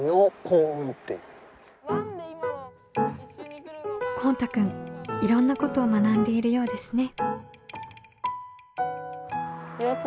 こうたくんいろんなことを学んでいるようですね。